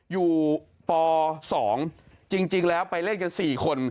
ป๒จริงแล้วไปเล่นกัน๔คน